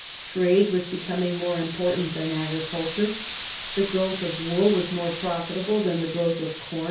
Trade was becoming more important than agriculture ; the growth of wool was more profitable than the growth of com.